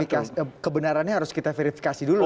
tapi kebenarannya harus kita verifikasi dulu